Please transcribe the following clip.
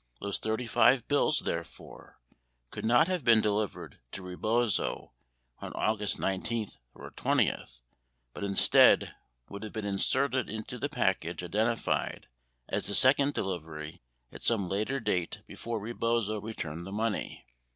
Those 35 bills, therefore, could not have been delivered to Rebozo on August 19 20, but instead would have been inserted into the package identified as the second delivery at some later date before Rebozo returned the money.